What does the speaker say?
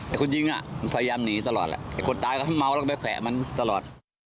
คนยิงอ่ะมันพยายามหนีตลอดแหละไอ้คนตายก็เมาแล้วก็ไปแขวะมันตลอด